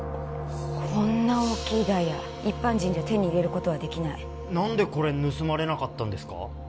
こんな大きいダイヤ一般人じゃ手に入れることはできない何でこれ盗まれなかったんですか？